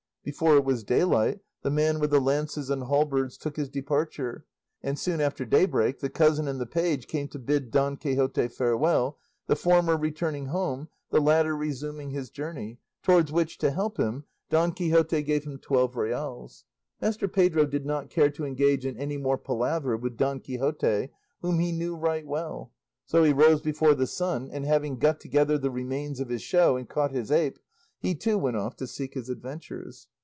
Before it was daylight the man with the lances and halberds took his departure, and soon after daybreak the cousin and the page came to bid Don Quixote farewell, the former returning home, the latter resuming his journey, towards which, to help him, Don Quixote gave him twelve reals. Master Pedro did not care to engage in any more palaver with Don Quixote, whom he knew right well; so he rose before the sun, and having got together the remains of his show and caught his ape, he too went off to seek his adventures.